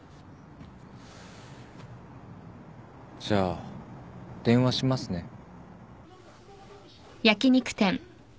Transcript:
じゃあ電話しますね。